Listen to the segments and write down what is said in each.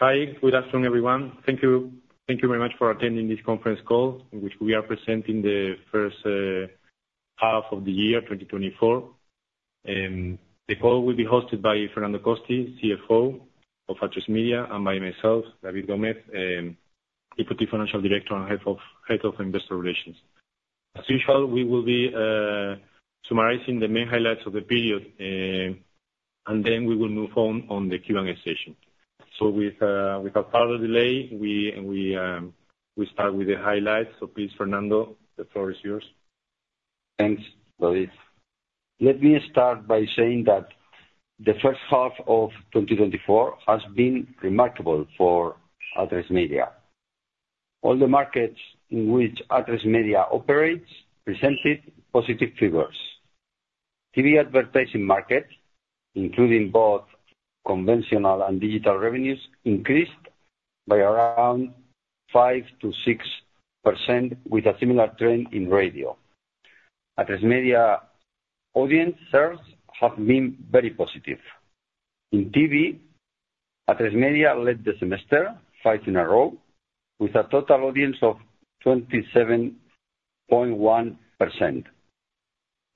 Hi, good afternoon everyone. Thank you, thank you very much for attending this conference call in which we are presenting the first half of the year 2024. The call will be hosted by Fernando Costi, CFO of Atresmedia, and by myself, David Gomez, Deputy Financial Director and Head of Investor Relations. As usual, we will be summarizing the main highlights of the period, and then we will move on to the Q&A session. So, without further delay, we start with the highlights. So, please, Fernando, the floor is yours. Thanks, David. Let me start by saying that the first half of 2024 has been remarkable for Atresmedia. All the markets in which Atresmedia operates presented positive figures. TV advertising markets, including both conventional and digital revenues, increased by around 5%-6%, with a similar trend in radio. Atresmedia's audience shares have been very positive. In TV, Atresmedia led the semester, fifth in a row, with a total audience of 27.1%,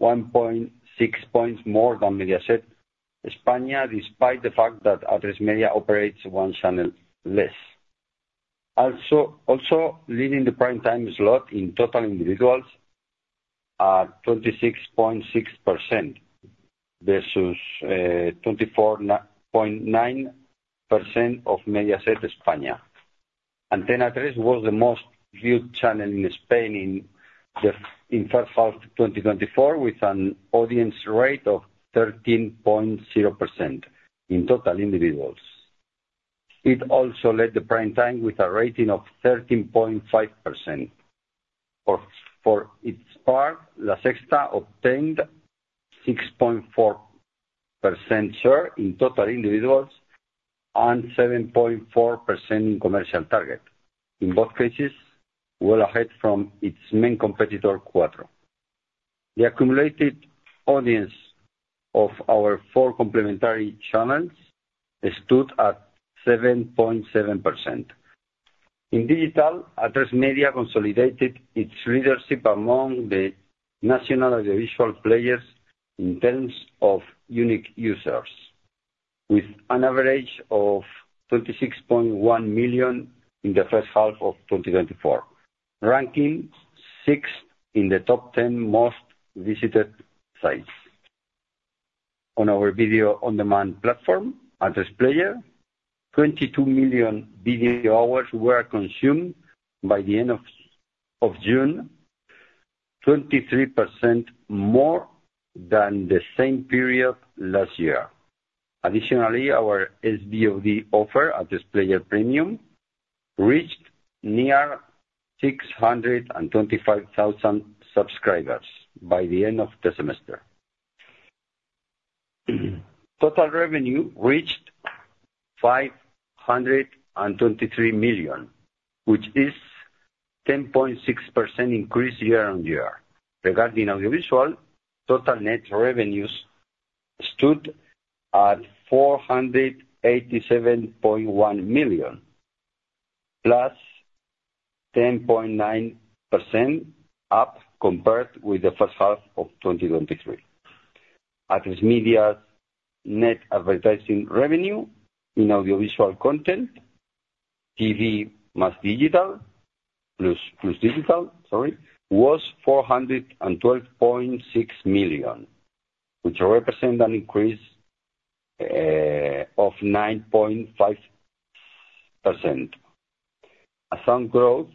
1.6 points more than Mediaset España, despite the fact that Atresmedia operates one channel less. Also, leading the prime-time slot in total individuals at 26.6% versus 24.9% of Mediaset España. Antena 3 was the most viewed channel in Spain in the first half of 2024, with an audience rate of 13.0% in total individuals. It also led the Prime Time with a rating of 13.5%. For its part, laSexta obtained a 6.4% share in total individuals and 7.4% in commercial target, in both cases well ahead from its main competitor, Cuatro. The accumulated audience of our four complementary channels stood at 7.7%. In digital, Atresmedia consolidated its leadership among the national audiovisual players in terms of unique users, with an average of 26.1 million in the first half of 2024, ranking sixth in the top 10 most visited sites. On our video-on-demand platform, Atresplayer, 22 million video hours were consumed by the end of June, 23% more than the same period last year. Additionally, our SVOD offer, Atresplayer Premium, reached near 625,000 subscribers by the end of the semester. Total revenue reached 523 million, which is a 10.6% increase year-on-year. Regarding audiovisual, total net revenues stood at EUR 487.1 million, plus 10.9% up compared with the first half of 2023. Atresmedia's net advertising revenue in audiovisual content, TV plus digital, plus digital, sorry, was 412.6 million, which represents an increase of 9.5%. A sound growth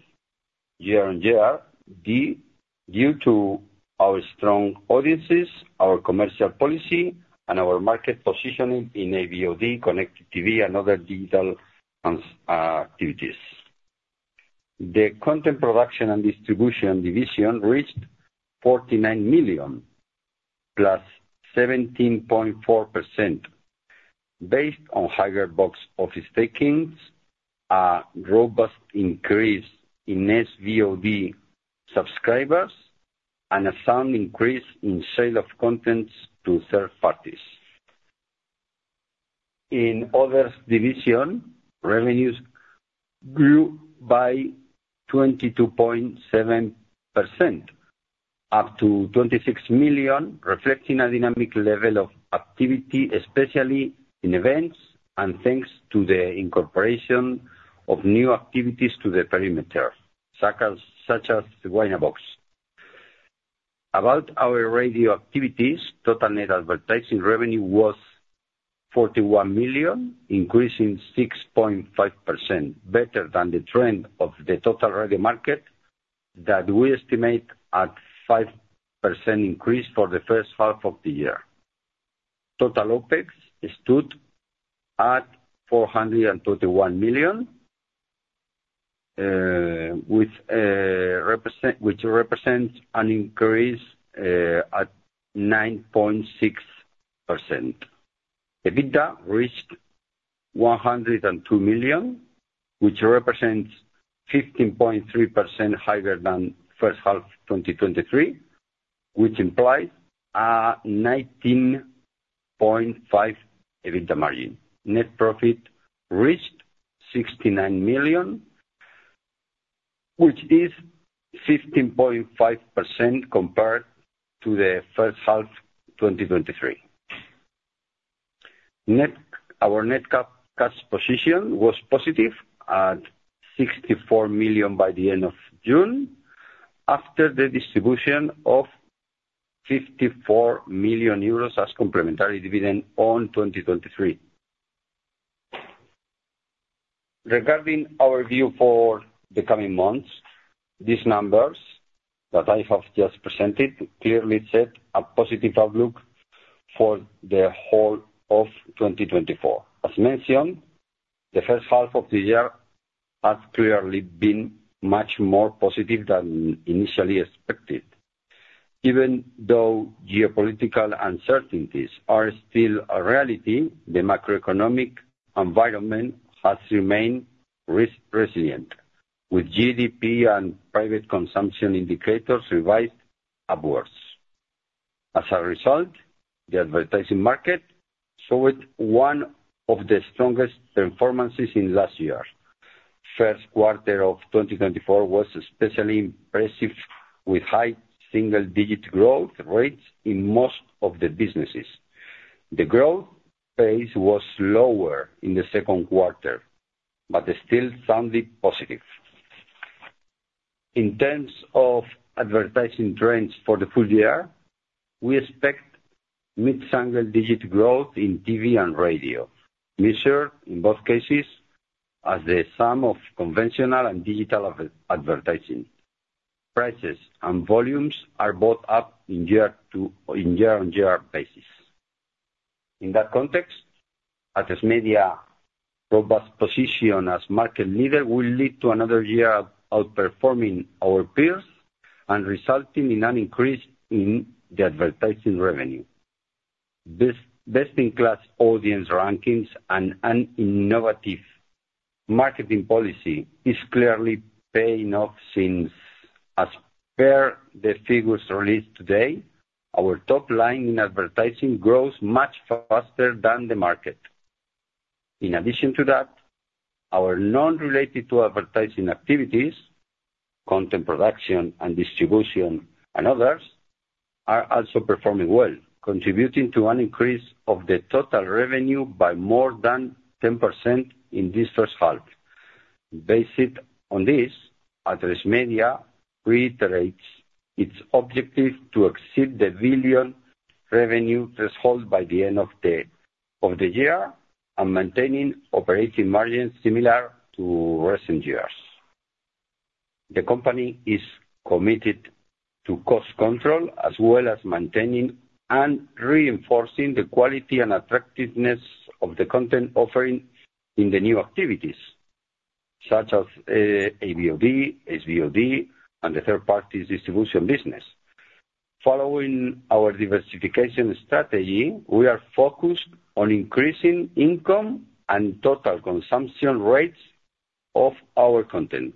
year-on-year due to our strong audiences, our commercial policy, and our market positioning in AVOD, Connected TV, and other digital activities. The content production and distribution division reached 49 million, plus 17.4%. Based on higher box office takings, a robust increase in SVOD subscribers and a sound increase in sale of contents to third parties. In others' division, revenues grew by 22.7%, up to 26 million, reflecting a dynamic level of activity, especially in events and thanks to the incorporation of new activities to the perimeter, such as Waynabox. About our radio activities, total net advertising revenue was 41 million, increasing 6.5%, better than the trend of the total radio market that we estimate at a 5% increase for the first half of the year. Total OPEX stood at EUR 421 million, which represents an increase at 9.6%. EBITDA reached 102 million, which represents 15.3% higher than the first half of 2023, which implies a 19.5% EBITDA margin. Net profit reached 69 million, which is 15.5% compared to the first half of 2023. Our net cash position was positive at 64 million by the end of June after the distribution of 54 million euros as complementary dividend on 2023. Regarding our view for the coming months, these numbers that I have just presented clearly set a positive outlook for the whole of 2024. As mentioned, the first half of the year has clearly been much more positive than initially expected. Even though geopolitical uncertainties are still a reality, the macroeconomic environment has remained resilient, with GDP and private consumption indicators revised upwards. As a result, the advertising market showed one of the strongest performances in last year. The first quarter of 2024 was especially impressive, with high single-digit growth rates in most of the businesses. The growth pace was lower in the second quarter, but still sounded positive. In terms of advertising trends for the full year, we expect mid-single-digit growth in TV and radio, measured in both cases as the sum of conventional and digital advertising. Prices and volumes are both up in year-on-year basis. In that context, Atresmedia's robust position as market leader will lead to another year outperforming our peers and resulting in an increase in the advertising revenue. Best-in-class audience rankings and an innovative marketing policy are clearly paying off since, as per the figures released today, our top line in advertising grows much faster than the market. In addition to that, our non-related to advertising activities, content production and distribution, and others are also performing well, contributing to an increase of the total revenue by more than 10% in this first half. Based on this, Atresmedia reiterates its objective to exceed the 1 billion revenue threshold by the end of the year and maintaining operating margins similar to recent years. The company is committed to cost control as well as maintaining and reinforcing the quality and attractiveness of the content offering in the new activities, such as AVOD, SVOD, and the third-party distribution business. Following our diversification strategy, we are focused on increasing income and total consumption rates of our content,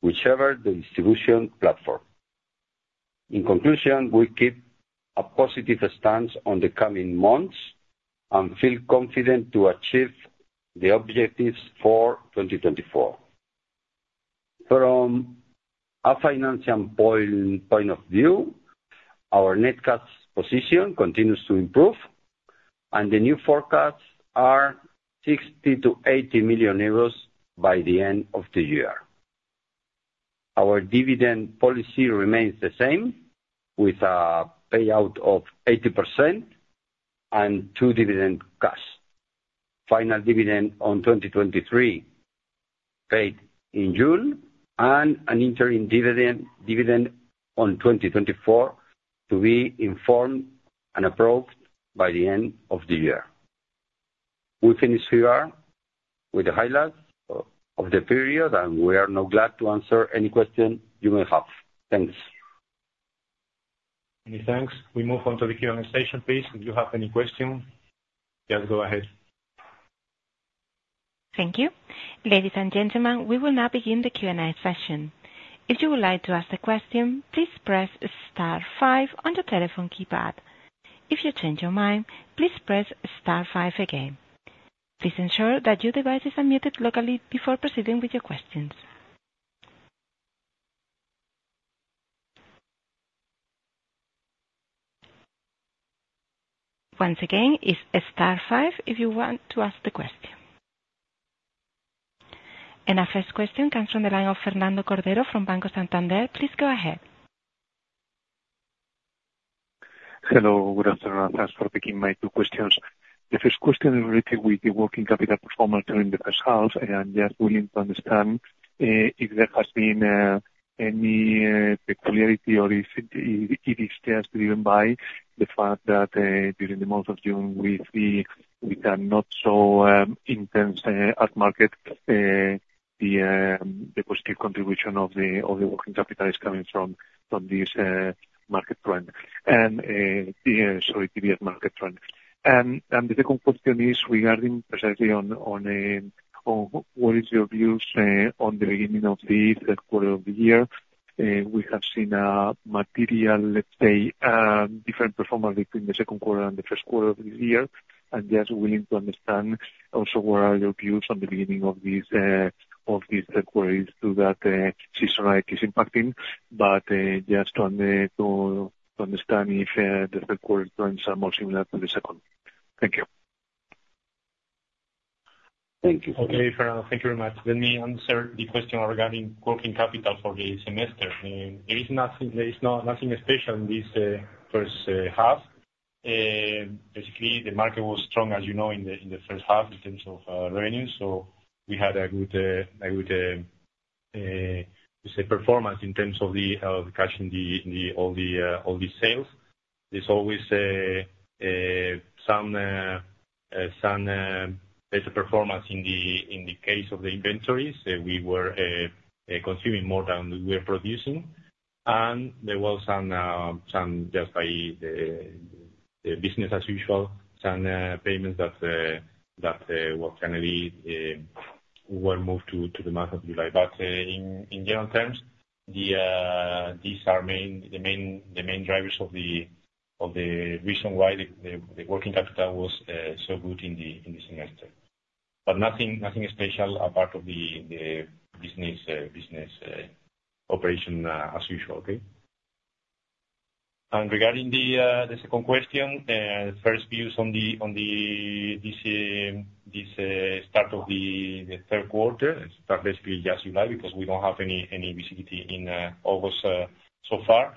whichever the distribution platform. In conclusion, we keep a positive stance on the coming months and feel confident to achieve the objectives for 2024. From a financial point of view, our net cash position continues to improve, and the new forecasts are 60 million-80 million euros by the end of the year. Our dividend policy remains the same, with a payout of 80% and two dividend cash. Final dividend on 2023 paid in June and an interim dividend on 2024 to be informed and approved by the end of the year. We finish here with the highlights of the period, and we are now glad to answer any questions you may have. Thanks. Many thanks. We move on to the Q&A session, please. If you have any questions, just go ahead. Thank you. Ladies and gentlemen, we will now begin the Q&A session. If you would like to ask a question, please press star five on the telephone keypad. If you change your mind, please press star five again. Please ensure that your device is unmuted locally before proceeding with your questions. Once again, it's star five if you want to ask the question. And our first question comes from the line of Fernando Cordero from Banco Santander. Please go ahead. Hello, good afternoon. Thanks for taking my two questions. The first question is related with the working capital performance during the first half, and just willing to understand if there has been any peculiarity or if it is just driven by the fact that during the month of June, we see we can not so intense at market, the positive contribution of the working capital is coming from this market trend. And sorry, TV market trend. And the second question is regarding precisely on what is your views on the beginning of the third quarter of the year. We have seen a material, let's say, different performance between the second quarter and the first quarter of this year, and just willing to understand also what are your views on the beginning of these third quarters to that seasonality is impacting, but just to understand if the third quarter trends are more similar to the second. Thank you. Thank you. Okay, Fernando, thank you very much. Let me answer the question regarding working capital for the semester. There is nothing special in this first half. Basically, the market was strong, as you know, in the first half in terms of revenue. So we had a good performance in terms of cashing all the sales. There's always some better performance in the case of the inventories. We were consuming more than we were producing. And there was some just by the business as usual, some payments that were finally moved to the month of July. But in general terms, these are the main drivers of the reason why the working capital was so good in the semester. But nothing special apart from the business operation as usual, okay? Regarding the second question, first views on this start of the third quarter, start basically just July, because we don't have any visibility in August so far.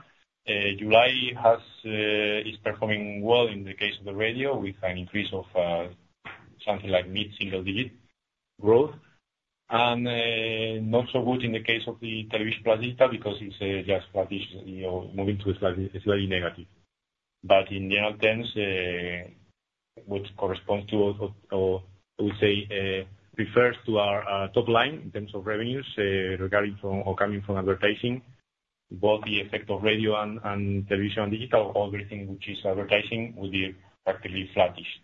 July is performing well in the case of the radio with an increase of something like mid-single-digit growth. And not so good in the case of the television plus digital because it's just started moving to slightly negative. In general terms, what corresponds to or would say refers to our top line in terms of revenues coming from advertising, both the effect of radio and television and digital, everything which is advertising would be practically flatish.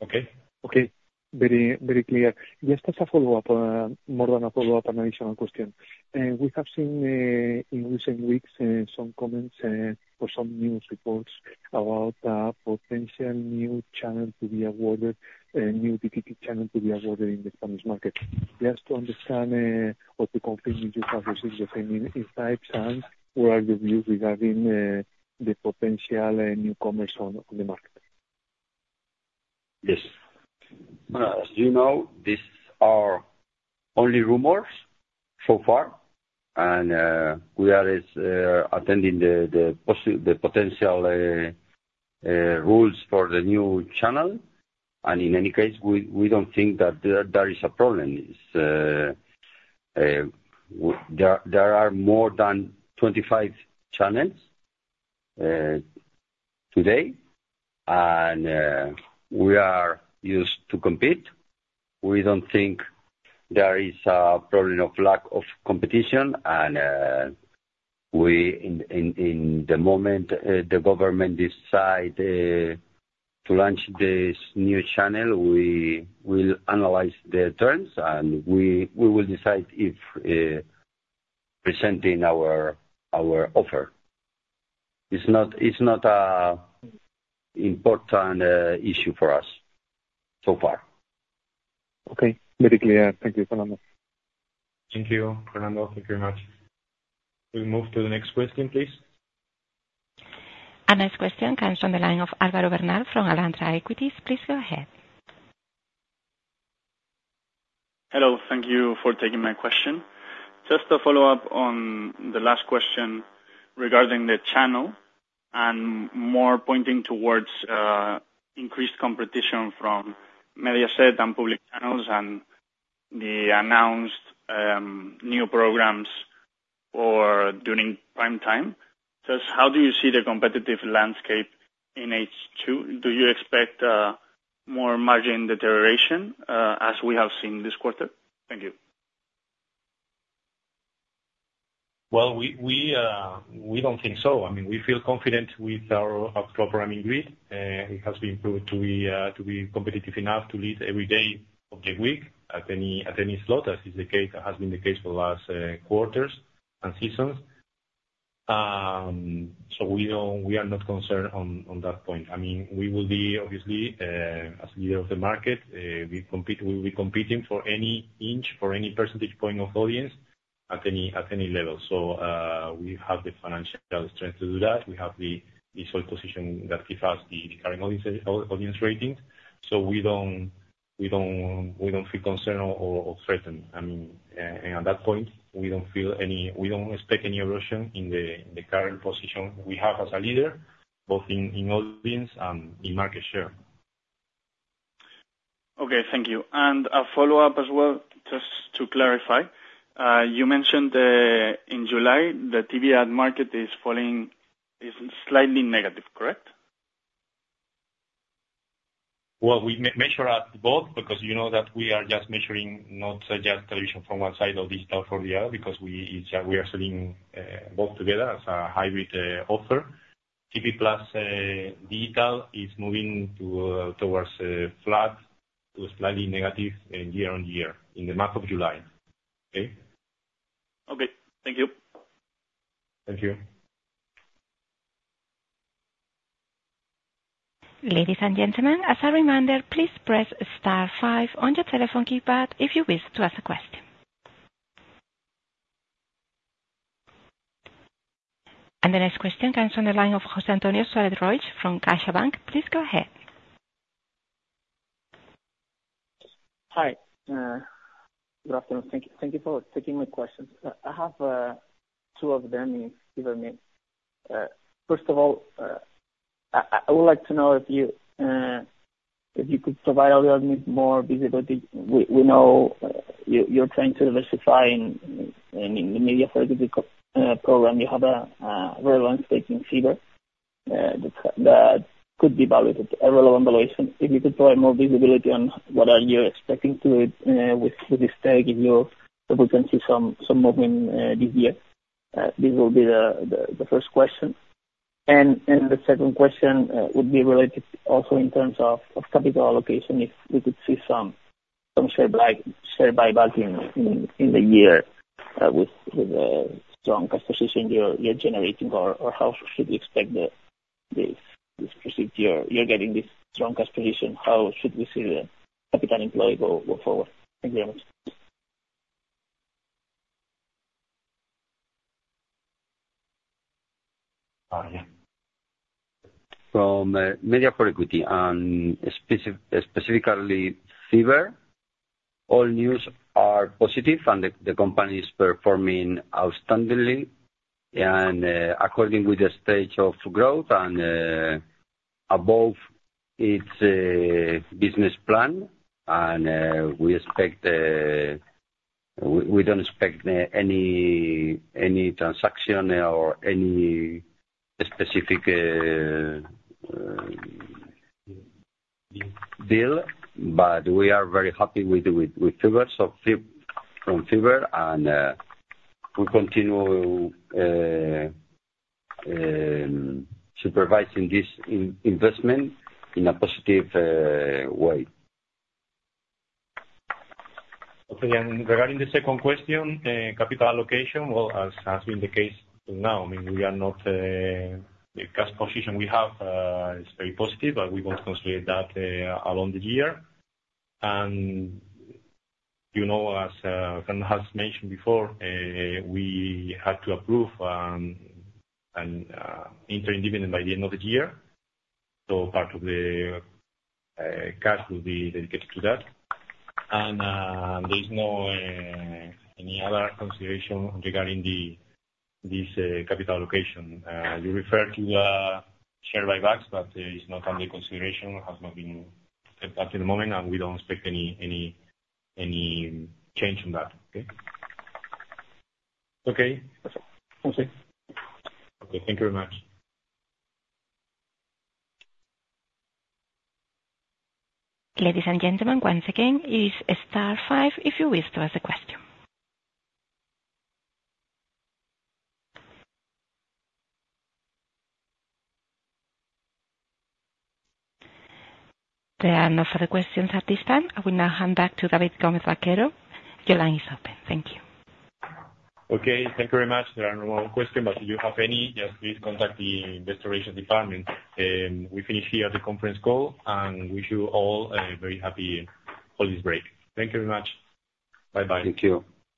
Okay? Okay. Very clear. Just as a follow-up, more than a follow-up, an additional question. We have seen in recent weeks some comments or some news reports about a potential new channel to be awarded, a new TV channel to be awarded in the Spanish market. Just to understand what we confirm, you have received the same insights and what are your views regarding the potential newcomers on the market? Yes. As you know, these are only rumors so far, and we are attending the potential rules for the new channel. In any case, we don't think that there is a problem. There are more than 25 channels today, and we are used to compete. We don't think there is a problem of lack of competition. In the moment the government decides to launch this new channel, we will analyze the terms and we will decide if presenting our offer. It's not an important issue for us so far. Okay. Very clear. Thank you, Fernando. Thank you, Fernando. Thank you very much. We move to the next question, please. A next question comes from the line of Alvaro Bernal from Alantra Equities. Please go ahead. Hello. Thank you for taking my question. Just a follow-up on the last question regarding the channel and more pointing towards increased competition from Mediaset and public channels and the announced new programs during prime time. Just how do you see the competitive landscape in H2? Do you expect more margin deterioration as we have seen this quarter? Thank you. Well, we don't think so. I mean, we feel confident with our up-flow programming grid. It has been proved to be competitive enough to lead every day of the week at any slot, as has been the case for the last quarters and seasons. So we are not concerned on that point. I mean, we will be, obviously, as a leader of the market, we will be competing for any inch, for any percentage point of audience at any level. So we have the financial strength to do that. We have the solid position that gives us the current audience ratings. So we don't feel concerned or threatened. I mean, at that point, we don't expect any erosion in the current position we have as a leader, both in audience and in market share. Okay. Thank you. A follow-up as well, just to clarify. You mentioned in July the TV ad market is slightly negative, correct? Well, we measure at both because you know that we are just measuring not just television from one side or digital from the other because we are selling both together as a hybrid offer. TV plus digital is moving towards flat to slightly negative year-on-year in the month of July. Okay? Okay. Thank you. Thank you. Ladies and gentlemen, as a reminder, please press Star 5 on your telephone keypad if you wish to ask a question. The next question comes from the line of José Antonio Suárez-Lledó from CaixaBank. Please go ahead. Hi. Good afternoon. Thank you for taking my questions. I have two of them if you permit. First of all, I would like to know if you could provide a little bit more visibility. We know you're trying to diversify in the media for a digital program. You have a real landscape in Fever that could be valued at a relevant valuation. If you could provide more visibility on what are you expecting to do with this stake if we can see some movement this year, this will be the first question. And the second question would be related also in terms of capital allocation. If we could see some share buyback in the year with the strong cash position you're generating, or how should we expect this proceed? You're getting this strong cash position. How should we see the capital employed go forward? Thank you very much. From Media for Equity and specifically Fever, all news are positive and the company is performing outstandingly. According with the stage of growth and above its business plan, and we don't expect any transaction or any specific deal, but we are very happy with figures from Fever, and we continue supervising this investment in a positive way. Okay. And regarding the second question, capital allocation, well, as has been the case now, I mean, we are not the cash position we have is very positive, but we want to consolidate that along the year. And as Fernando has mentioned before, we have to approve interim dividend by the end of the year. So part of the cash will be dedicated to that. And there is no any other consideration regarding this capital allocation. You referred to share buybacks, but it's not under consideration, has not been at the moment, and we don't expect any change on that. Okay? Okay. Okay. Okay. Thank you very much. Ladies and gentlemen, once again, it is star 5 if you wish to ask a question. There are no further questions at this time. I will now hand back to David Gomez-Baquero. Your line is open. Thank you. Okay. Thank you very much. There are no more questions, but if you have any, just please contact the Investor Relations department. We finish here the conference call, and wish you all a very happy holiday break. Thank you very much. Bye-bye. Thank you.